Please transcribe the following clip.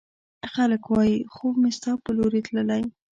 خلګ وايي، خوب مې ستا په لورې تللی